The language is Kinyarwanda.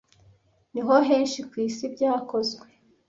niho henshi kwisi byakozwe